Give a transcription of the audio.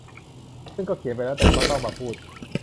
ซึ่งก็เขียนไปแล้วแต่ก็ต้องมาพูด